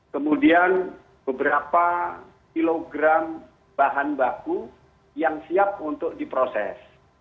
kemudian beberapa kilogram bahan baku yang siap untuk diproses